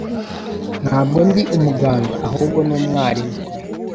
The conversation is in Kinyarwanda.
Ntabwo ndi umuganga, ahubwo ni umwarimu